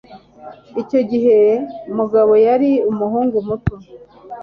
Icyo gihe Mugabo yari umuhungu muto.